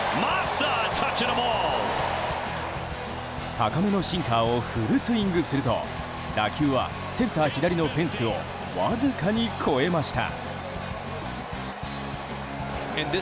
高めのシンカーをフルスイングすると打球はセンター左のフェンスをわずかに越えました。